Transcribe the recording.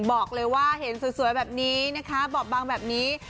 บอกเลยว่าเห็นสวยแบบนี้นะคะบอบบางแบบนี้